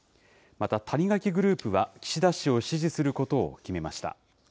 また、谷垣グループは岸田氏を支持することを決めました。